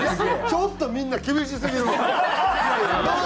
ちょっとみんな厳しすぎるわ。なあ？